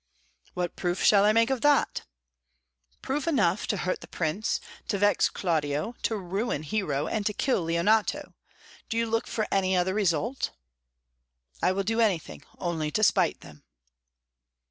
"What proof shall I make of that?" "Proof enough to hurt the Prince, to vex Claudio, to ruin Hero, and to kill Leonato. Do you look for any other result?" "I will do anything only to spite them."